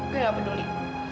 gue gak peduli